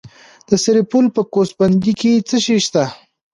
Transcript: د سرپل په ګوسفندي کې څه شی شته؟